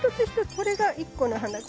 これが一個の花